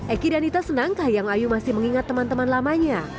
eki dan ita senang kahiyang ayu masih mengingat teman teman lamanya